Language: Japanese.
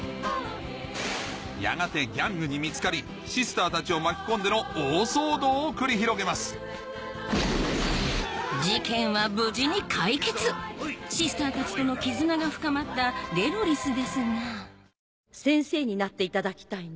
やがてギャングに見つかりシスターたちを巻き込んでの大騒動を繰り広げます事件は無事に解決シスターたちとの絆が深まったデロリスですが先生になっていただきたいの。